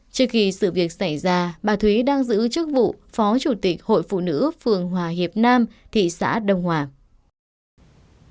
trước khi sự việc xảy ra bà thúy đang giữ chức vụ phó chủ tịch hội phụ nữ phường hòa hiệp nam thị xã đông hòa